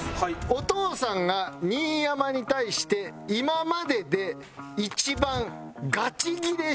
お父さんが新山に対して今までで一番ガチギレした事はなんでしょう？